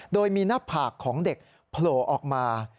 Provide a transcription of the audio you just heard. โดยมีหน้าผากของเด็กโผล่ออกมา